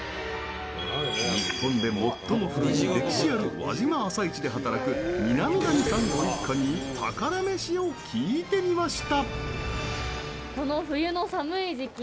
日本で最も古い歴史ある輪島朝市で働く南谷さんご一家に宝メシを聞いてみました。